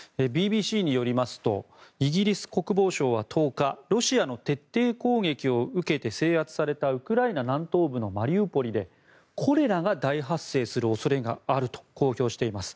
ＢＢＣによりますとイギリス国防省は１０日ロシアの徹底攻撃を受けて制圧された、ウクライナ南東部のマリウポリでコレラが大発生する恐れがあると公表しています。